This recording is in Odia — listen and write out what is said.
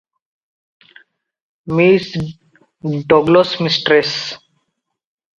Miss Douglas mistress.